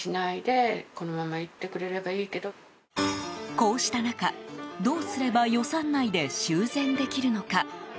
こうした中、どうすれば予算内で修繕できるのか。